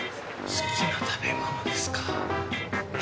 好きな食べ物ですか。